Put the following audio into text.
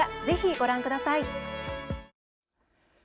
ぜひご覧ください。